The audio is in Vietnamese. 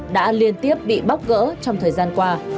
đã liên tiếp bị bóc gỡ trong thời gian qua